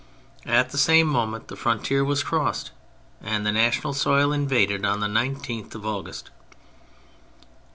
At the same moment the frontier was crossed and the national soil invaded on the 19th of August.